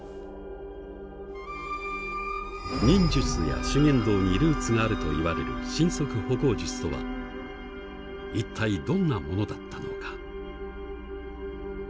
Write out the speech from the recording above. まあ実際にルーツがあると言われる神足歩行術とは一体どんなものだったのか。